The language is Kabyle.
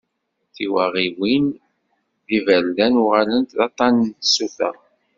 Tiwaɣiyin n yiberdan uɣalent d aṭṭan n tsuta.